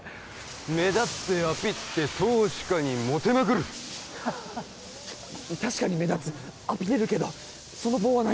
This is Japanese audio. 目立ってアピって投資家にモテまくる確かに目立つアピれるけどその棒は何？